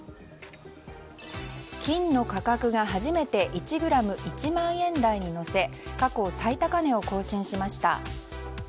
金の価格が初めて１ｇ１万円台に乗せ過去最高値を更新しました。